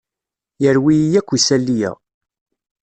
Yerwi-yi akk isali-a.